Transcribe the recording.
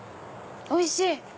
おいしい！